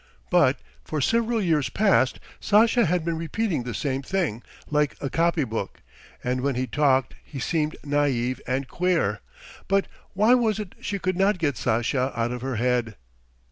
But for several years past Sasha had been repeating the same thing, like a copybook, and when he talked he seemed naïve and queer. But why was it she could not get Sasha out of her head?